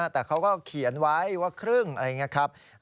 แต่เขาก็เขียนไว้ว่าครึ่งอะไรอย่างนี้ครับ